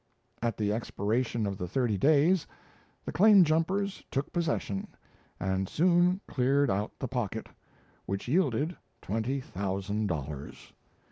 At the expiration of the thirty days, the claim jumpers took possession, and soon cleared out the pocket, which yielded twenty thousand dollars.